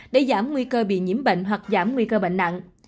để giảm nguy cơ bị nhiễm bệnh hoặc giảm nguy cơ bệnh nặng